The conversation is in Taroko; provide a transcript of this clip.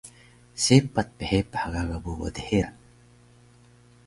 Sepac phepah gaga bobo dheran